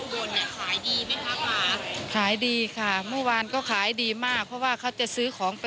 เขาบอกแม่น้ำมูลเป็นแม่น้ำมูลเป็นแม่น้ำที่ไหลค่อนข้างเชี่ยวเพราะฉะนั้นปลาเนื้อมันจะแน่นตัวจะใย